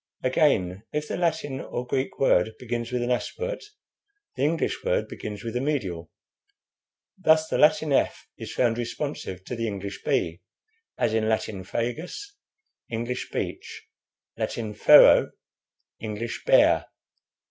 Again, if the Latin or Greek word begins with an aspirate, the English word begins with a medial; thus the Latin 'f' is found responsive to the English 'b,' as in Latin 'fagus,' English 'beech,' Latin 'fero,' English 'bear.'